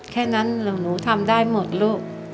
แค่นั้นหนูทำได้หมดลูก